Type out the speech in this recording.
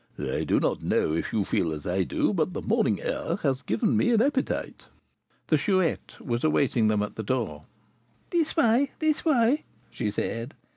I do not know if you feel as I do, but the morning air has given me an appetite." The Chouette was awaiting them at the door. "This way; this way," she said.